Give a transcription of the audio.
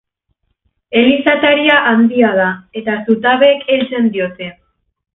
Eliz ataria handia da eta zutabeek heltzen diote.